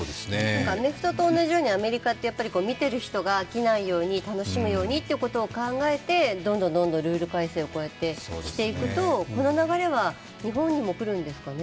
アメフトと同じようにアメリカって見てる人が飽きないように、楽しむようにということを考えて、どんどんルール改正をしていくとこの流れは日本にも来るんですかね。